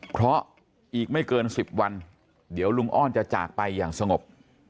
เพราะอีกไม่เกิน๑๐วันเดี๋ยวลุงอ้อนจะจากไปอย่างสงบ